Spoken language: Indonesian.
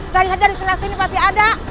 cari saja di tengah sini pasti ada